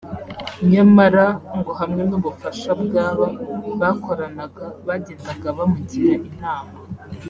nyamara ngo hamwe n’ubufasha bw’aba bakoranaga bagendaga bamugira inama